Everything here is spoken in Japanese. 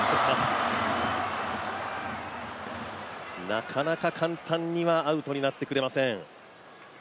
なかなか簡単にはアウトになってくれません。